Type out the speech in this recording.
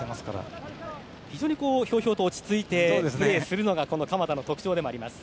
非常にひょうひょうと落ち着いてプレーするのが鎌田の特徴でもあります。